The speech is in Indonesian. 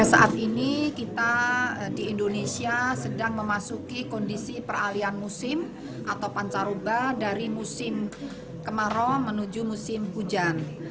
saat ini kita di indonesia sedang memasuki kondisi peralian musim atau pancaroba dari musim kemarau menuju musim hujan